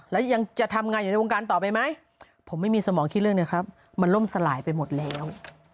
แล้วยังจะทำงานอยู่ในวงการต่อไปไหมผมไม่มีสมองคิดเรื่องนะครับมันล่มสลายไปหมดแล้ว